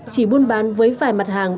chỉ buôn bán với vài mặt hàng